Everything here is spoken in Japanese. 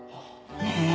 ねえ。